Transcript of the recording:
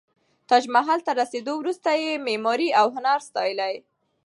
تاج محل ته رسېدو وروسته یې معماري او هنر ستایلی.